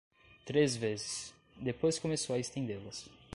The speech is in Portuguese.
Três vezes; depois começou a estendê-las.